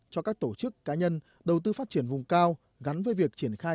cho các tổ chức cá nhân đầu tư phát triển vùng cao gắn với việc triển khai